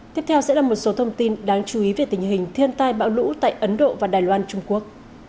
tiếp theo sẽ là một số thông tin đáng chú ý về tình hình thiên tai bão lũ tại ấn độ và đài loan trung quốc